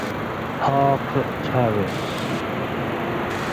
Harcourt Terrace.